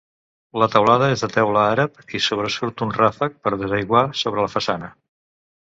La teulada és de teula àrab i sobresurt un ràfec per desaiguar sobre la façana.